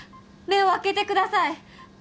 目を開けてください。